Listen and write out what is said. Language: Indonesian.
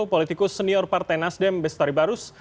politikus senior partai nasdem bestari barus